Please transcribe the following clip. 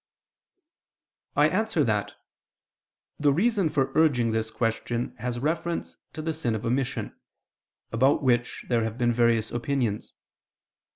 I answer that, The reason for urging this question has reference to the sin of omission, about which there have been various opinions.